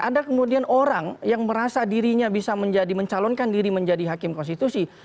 ada kemudian orang yang merasa dirinya bisa menjadi mencalonkan diri menjadi hakim konstitusi